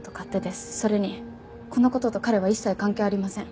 それにこの事と彼は一切関係ありません。